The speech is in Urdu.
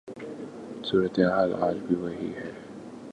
صورت حال آج بھی وہی ہے۔